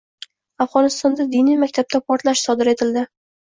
Afg‘onistonda diniy maktabda portlash sodir etildi